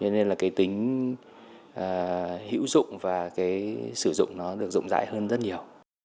nên là cái tính hữu dụng và cái sử dụng nó được dụng dạy hơn rất nhiều